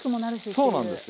そうなんですよ。